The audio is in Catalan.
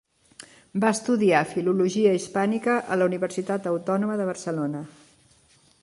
Va estudiar Filologia Hispànica a la Universitat Autònoma de Barcelona.